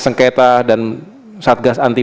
sengketa dan satgas anti